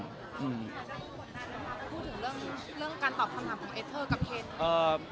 พูดถึงเรื่องการตอบคำถามของเอเทอร์กับเพชร